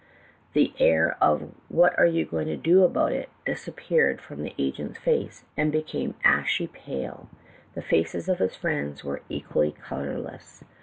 The air of 'What are you going to do about it?' disap peared from the agent's face, and it became ashy pale. The faces of his friends were equally color less.